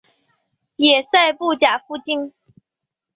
野寒布岬附近。